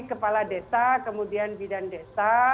kepala desa kemudian bidan desa